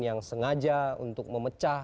yang sengaja untuk memecah